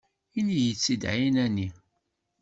Ini-yi-t-id ɛinani.